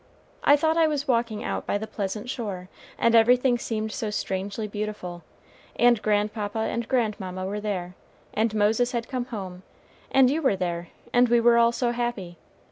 I thought I was walking out by the pleasant shore, and everything seemed so strangely beautiful, and grandpapa and grandmamma were there, and Moses had come home, and you were there, and we were all so happy.